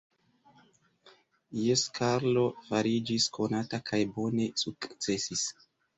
Jes, Karlo fariĝis konata kaj bone sukcesis.